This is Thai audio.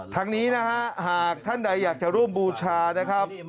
ทั้งนี้นะฮะหากท่านใดอยากจะร่วมบูชานะครับ